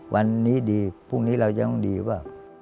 วันนี้ดีพรุ่งนี้เรายังดีว่า